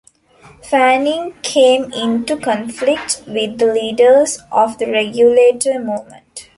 Fanning came into conflict with the leaders of the Regulator movement.